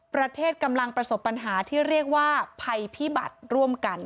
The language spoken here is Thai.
ประเทศกำลังประสบปัญหาที่เรียกว่าภัยพิบัติร่วมกัน